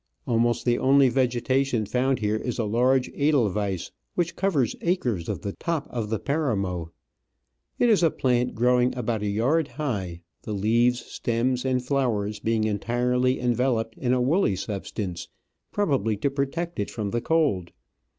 Ahiiost the only vegetation found here is a large Edelweiss, which covers acres of the top of the Paramo; it is a plant growing about a yard high, the leaves, stems, and flowers being entirely enveloped in a woolly substance, probably to protect it from the cold.